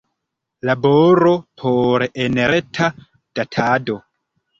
Laboro por enreta datado.